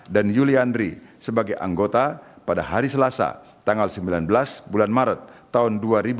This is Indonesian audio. dan yuli andri sebagai anggota pada hari selasa tanggal sembilan belas bulan maret tahun dua ribu dua puluh empat